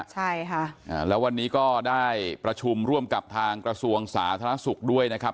ใช่ค่ะอ่าแล้ววันนี้ก็ได้ประชุมร่วมกับทางกระทรวงสาธารณสุขด้วยนะครับ